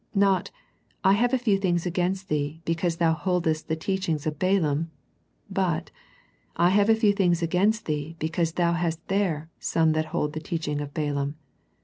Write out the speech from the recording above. Not " I have a few things against thee, because thou boldest the teach ing of Balaam," but "I have a few things against thee, because thou hast there some that hold the teaching of Balaam."